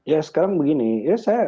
ya sekarang begini ya saya sepakatnya begini